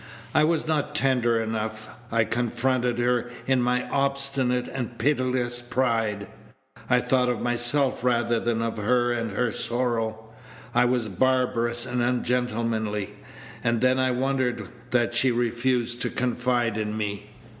I was not tender enough. I confronted her in my obstinate and pitiless pride. I thought of myself rather than of her and of her sorrow. I was barbarous and ungentlemanly; and then I wondered that she refused to confide in me."